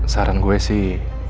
saran gue sih